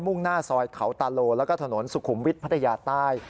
่งหน้าซอยเขาตาโลแล้วก็ถนนสุขุมวิทย์พัทยาใต้